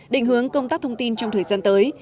định hướng công tác thông tin trong thời gian tới